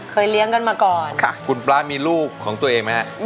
เลี้ยงกันมาก่อนค่ะคุณปลามีลูกของตัวเองไหมฮะ